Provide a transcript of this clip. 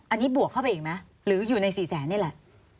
อันนี้บวกเข้าไปอีกไหมหรืออยู่ใน๔แสนนี่แหละ